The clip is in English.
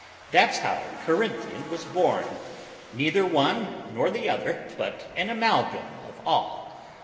That's how Corinthian was born; neither one nor the other, but an amalgam of all.